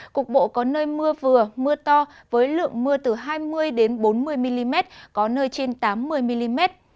cục bộ có nơi mưa vừa mưa to với lượng mưa từ hai mươi bốn mươi mm có nơi trên tám mươi mm